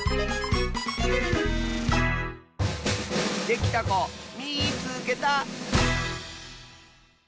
できたこみいつけた！